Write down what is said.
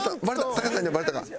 隆さんにはバレたかな？